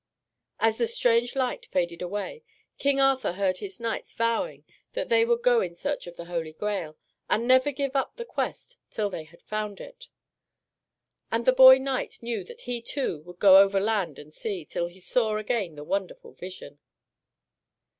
As the strange light faded away, King Arthur heard his knights vowing that they would go in search of the Holy Grail, and never give up the quest till they had found it. And the boy knight knew that he too would go over land and sea, till he saw again the wonderful vision.